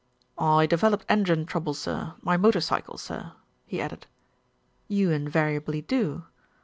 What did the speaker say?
"I developed engine trouble, sir my motor cycle, sir," he added. "You invariably do."